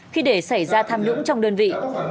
khi để xảy ra tham nhũng trong đơn vị